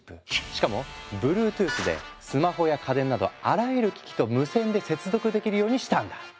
しかもＢｌｕｅｔｏｏｔｈでスマホや家電などあらゆる機器と無線で接続できるようにしたんだ。